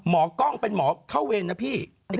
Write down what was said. กล้องเป็นหมอเข้าเวรนะพี่